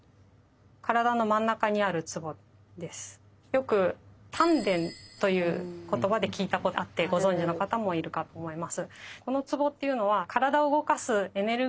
よく丹田という言葉で聞いたことあってご存じの方もいるかと思います。